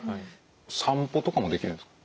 散歩とかもできるんですか？